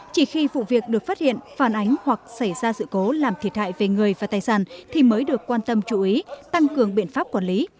chỉ khi vụ việc được phát hiện phản ánh hoặc xảy ra sự cố làm thiệt hại về người và tài sản thì mới được quan tâm chú ý tăng cường biện pháp quản lý